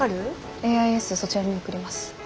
ＡＩＳをそちらに送ります。